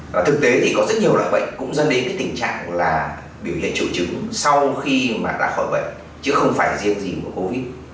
và thực tế thì có rất nhiều loại bệnh cũng dẫn đến cái tình trạng là biểu hiện triệu chứng sau khi mà đã khỏi bệnh chứ không phải là riêng gì mùa covid